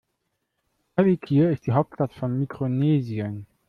Palikir ist die Hauptstadt von Mikronesien.